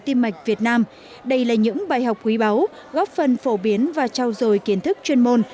tiêm mạch việt nam đây là những bài học quý báu góp phần phổ biến và trao dồi kiến thức chuyên môn